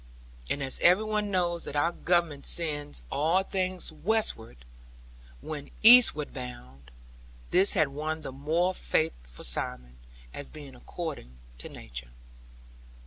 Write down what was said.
And as every one knows that our Government sends all things westward when eastward bound, this had won the more faith for Simon, as being according to nature.